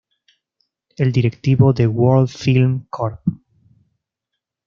El directivo de World Film Corp.